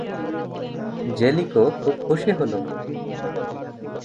জেলিকো খুব খুশি হলো।